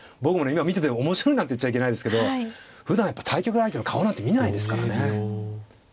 今見てて面白いなんて言っちゃいけないですけどふだんやっぱ対局相手の顔なんて見ないですからね。